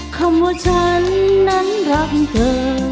คำว่าฉันนั้นรักเธอ